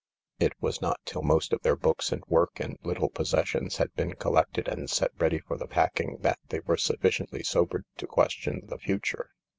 It was not till most of their books and work and little possessions had been collected and set ready for the packing that they were sufficiently sobered to question the future.